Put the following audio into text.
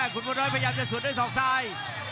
คุณบัวน้อยพยายามจะสวนด้วยศอกซ้าย